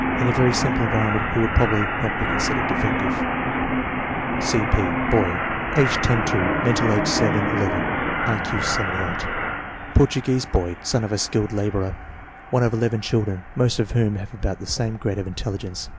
Li a very simple environment he would probably not be considered defective. C. P. Boy, age 10 2; mental age 7 11; I Q 78. Portuguese boy, son of a skilled laborer. One of eleven children, most of whom have about this same grade of intelligence.